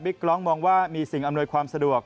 กร้องมองว่ามีสิ่งอำนวยความสะดวก